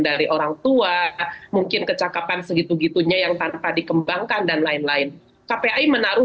dari orangtua mungkin kecakapan segitu gitunya yang tanpa dikembangkan dan lain lain kpi menaruh